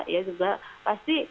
ya juga pasti